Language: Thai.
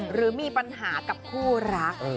หรือมีปัญหากับคู่รัก